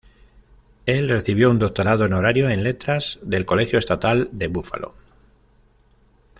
Él recibió un doctorado honorario en letras del Colegio Estatal de Buffalo.